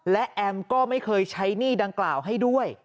และแอมก็ไม่เคยใช้หนี้ดังกล่าวให้ด้วย